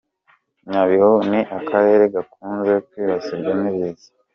Nyabihu ni akarere gakunze kwibasirwa n’ibiza.